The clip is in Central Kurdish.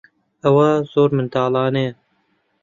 ئەوە زۆر منداڵانەیە.